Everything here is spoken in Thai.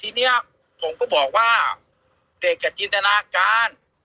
ทีนี้ผมก็บอกว่าเด็กจินตนาการ